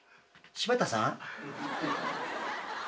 柴田さん？